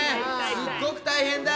すっごく大変だ。